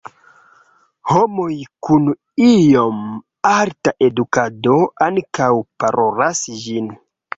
Homoj kun iom alta edukado ankaŭ parolas ĝin.